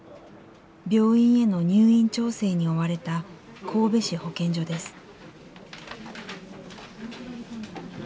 病院への入院調整に追われた神戸市保健所です。